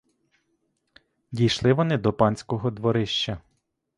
Дійшли вони до панського дворища.